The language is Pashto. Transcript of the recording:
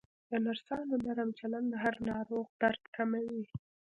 د نرسانو نرم چلند د هر ناروغ درد کموي.